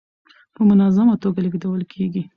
په منظمه ټوګه لېږدول کيږي.